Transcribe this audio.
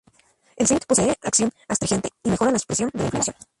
El zinc posee acción astringente y mejora la supresión de la inflamación.